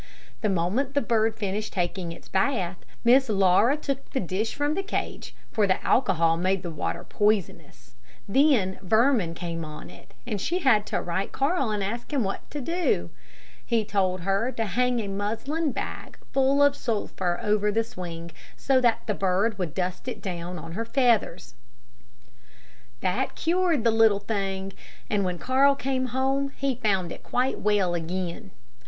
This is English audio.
The moment the bird finished taking its bath, Miss Laura took the dish from the cage, for the alcohol made the water poisonous. Then vermin came on it, and she had to write to Carl to ask him what to do. He told her to hang a muslin bag full of sulphur over the swing, so that the bird would dust it down on her feathers. That cured the little thing, and when Carl came home, he found it quite well again.